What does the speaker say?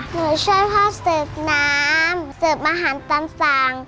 หนูช่วยพ่อสืบน้ำสืบอาหารตามสั่ง